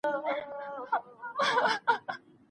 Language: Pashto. اڅکزۍ د افغانستان د پښتنو قبيلو څخه يوه ده .